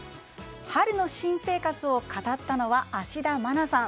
春の新生活を語ったのは芦田愛菜さん。